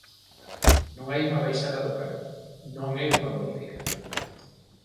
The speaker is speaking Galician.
Non hai unha baixada do canon, non é unha bonificación.